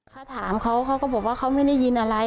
เขาถามเขาเขาก็บอกว่าเขาไม่ได้ยินอะไร